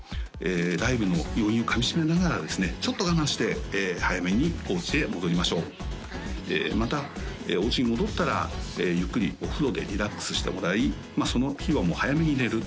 ライブの余韻を噛みしめながらですねちょっと我慢して早めにおうちへ戻りましょうまたおうちに戻ったらゆっくりお風呂でリラックスしてもらいその日はもう早めに寝る